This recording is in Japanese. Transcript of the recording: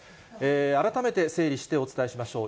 改めて整理してお伝えしましょう。